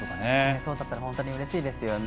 そうだったら本当にうれしいですよね。